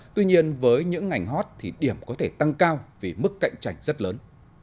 tuy nhiên với những ngành hot thì điểm có thể tăng cao vì mức cạnh tranh rất lớn